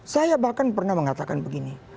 saya bahkan pernah mengatakan begini